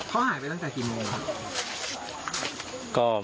เขาหายไปตั้งแต่กี่โมงครับ